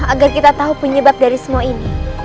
agar kita tahu penyebab dari semua ini